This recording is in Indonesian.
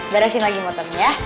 beresin lagi motornya ya